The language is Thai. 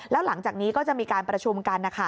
แล้วหลังจากนี้ก็จะมีการประชุมกันนะคะ